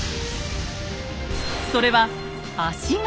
それは「足軽」！